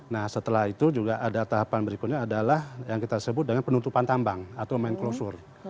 nah setelah itu juga ada tahapan berikutnya adalah yang kita sebut dengan penutupan tambang atau main closure